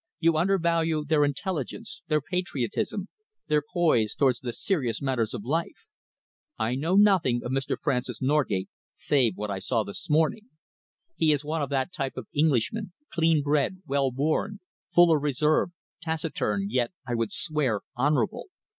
You undervalue their intelligence, their patriotism, their poise towards the serious matters of life. I know nothing of Mr. Francis Norgate save what I saw this morning. He is one of that type of Englishmen, clean bred, well born, full of reserve, taciturn, yet, I would swear, honourable.